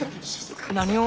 何を？